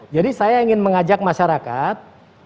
jadi saya ingin mengajak masyarakat